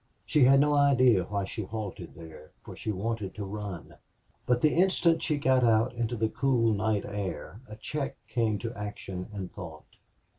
She had no idea why she halted there, for she wanted to run. But the instant she got out into the cool night air a check came to action and thought.